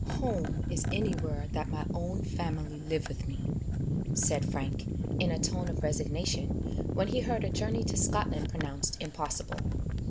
"Home is anywhere that my own family live with me," said Frank in a tone of resignation, when he heard a journey to Scotland pronounced impossible.